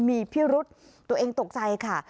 มีพิรุษตัวเองตกใจค่ะ